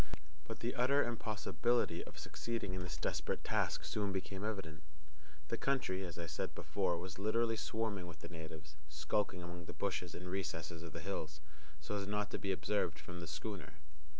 But the utter impossibility of succeeding in this desperate task soon became evident. The country, as I said before, was literally swarming with the natives, skulking among the bushes and recesses of the hills, so as not to be observed from the schooner.